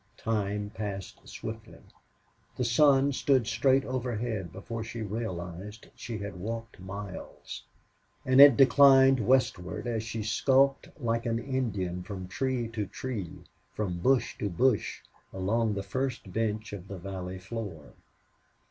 Time passed swiftly. The sun stood straight overhead before she realized she had walked miles; and it declined westward as she skulked like an Indian from tree to tree, from bush to bush, along the first bench of the valley floor.